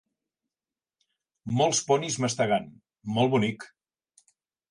Molts ponis mastegant; molt bonic!